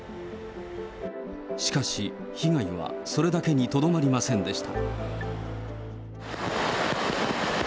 しかし、被害はそれだけにとどまりませんでした。